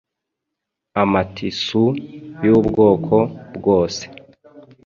Amatissu y’ubwoko bwose